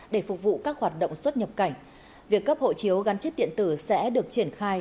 để phục vụ các hoạt động xuất nhập cảnh việc cấp hộ chiếu gắn chip điện tử sẽ được triển khai